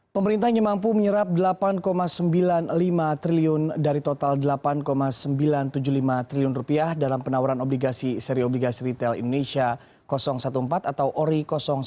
pemerintahnya mampu menyerap delapan sembilan puluh lima triliun dari total delapan sembilan ratus tujuh puluh lima triliun dalam penawaran obligasi seri obligasi retail indonesia empat belas atau ori sembilan belas